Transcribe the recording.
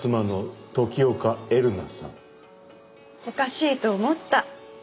おかしいと思った。